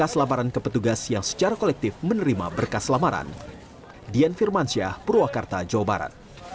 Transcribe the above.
saya dengan anggota berikut sekuriti yang ada di ketemetro